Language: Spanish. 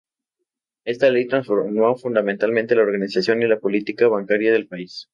Esta Ley transformó fundamentalmente la organización y la política bancaria del país.